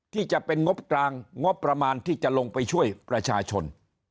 ที่จะเป็นงบกลางงบประมาณที่จะลงไปช่วยประชาชน